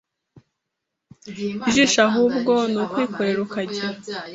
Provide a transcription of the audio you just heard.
ijisho ahubwo ni ukwikorera ukagira